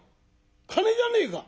金じゃねえか！